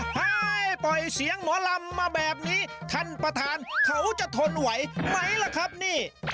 ให้ปล่อยเสียงหมอลำมาแบบนี้ท่านประธานเขาจะทนไหวไหมล่ะครับนี่